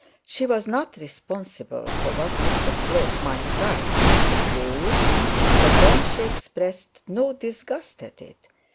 She was not responsible for what Mr Slope might write. True. But then she expressed no disgust at it.